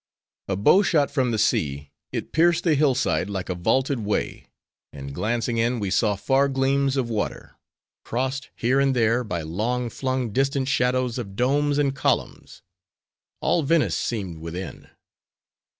A bow shot from the sea, it pierced the hill side like a vaulted way; and glancing in, we saw far gleams of water; crossed, here and there, by long flung distant shadows of domes and columns. All Venice seemed within.